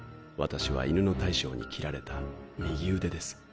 私は犬の大将に斬られた右腕です。